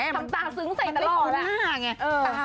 ทำตาซึ้งเสร็จตลอดละตุนน่าไงมันไปตุนหน้า